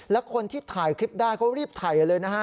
แล้วคนที่ถ่ายคลิปได้เขารีบถ่ายเลยนะฮะ